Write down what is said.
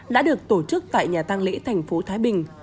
đã được tổ chức tại nhà tăng lễ thành phố thái bình